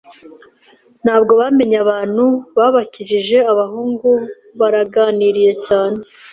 Ntabwo bamenye abantu babakikije, abahungu baraganiriye cyane